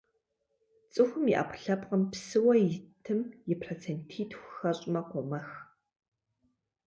Цӏыхум и ӏэпкълъэпкъым псыуэ итым и процентитху хэщӏмэ къомэх.